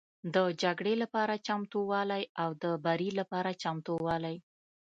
د جګړې لپاره چمتووالی او د بري لپاره چمتووالی